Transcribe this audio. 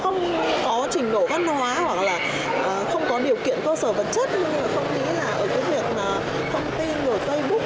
không có điều kiện cơ sở vật chất nhưng mà không nghĩ là ở cái việc mà thông tin rồi facebook rồi các thể loại nó cập nhật hàng ngày hàng giờ như thế này mà các cô lại đối xử với con như thế